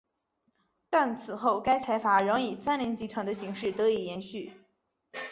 但此后该财阀仍以三菱集团的形式得以延续。